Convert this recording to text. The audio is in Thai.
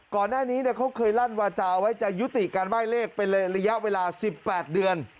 ก่อนหน้านี้เขาเคยลั่นวาจาไว้จะยุติการใบ้เลขเป็นระยะเวลา๑๘เดือน